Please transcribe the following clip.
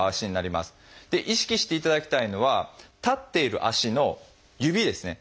意識していただきたいのは立っている足の指ですね。